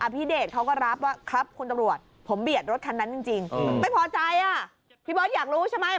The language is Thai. พี่เดชเขาก็รับว่าครับคุณตำรวจผมเบียดรถคันนั้นจริงไม่พอใจอ่ะพี่เบิร์ตอยากรู้ใช่ไหม